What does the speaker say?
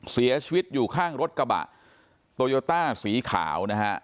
เสียชีวิตอยู่ข้างรถกระบะโตโยต้าสีขาวนะฮะ